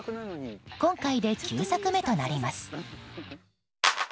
今回で９作目となります。